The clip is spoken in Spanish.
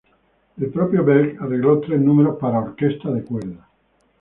El propio Berg arregló tres números para orquesta de cuerda.